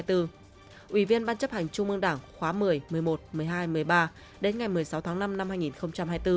ủy viên ban chấp hành trung ương đảng khóa một mươi một mươi một một mươi hai một mươi ba đến ngày một mươi sáu tháng năm năm hai nghìn hai mươi bốn